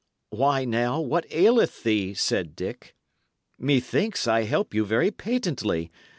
"Why, now, what aileth thee?" said Dick. "Methinks I help you very patently.